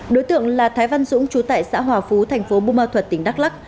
đối tượng là thái văn dũng trú tại xã hòa phú thành phố bùa ma thuật tỉnh đắk lắc